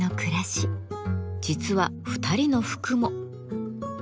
実は２人の服も。